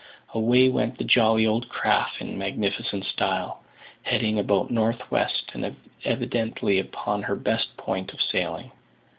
Away went the jolly old craft in magnificent style, heading about north west, and evidently upon her best point of sailing.